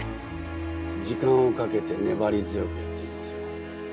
時間をかけて粘り強くやっていきますよ。